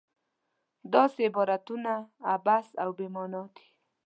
داسې عبارتونه عبث او بې معنا دي.